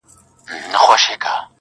• غواړي پاچا د نوي نوي هنرونو کیسې,